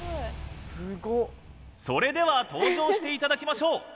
それでは登場していただきましょう。